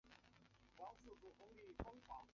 东西伯利亚海和南面的西伯利亚之间。